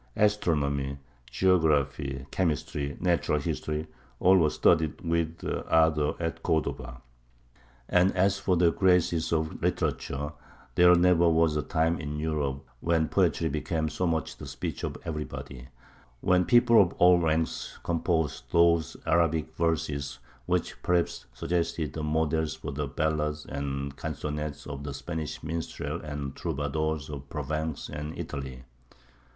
Astronomy, geography, chemistry, natural history all were studied with ardour at Cordova; and as for the graces of literature, there never was a time in Europe when poetry became so much the speech of everybody, when people of all ranks composed those Arabic verses which perhaps suggested models for the ballads and canzonettes of the Spanish minstrels and the troubadours of Provence and Italy.